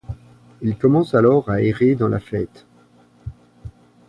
Il commence alors à errer dans la fête.